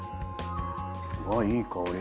うわっいい香り。